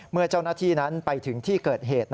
เมื่อเจ้าหน้าที่นั้นไปถึงที่เกิดเหตุ